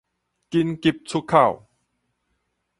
緊急出口